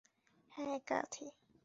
হ্যাঁ, ক্যাথি।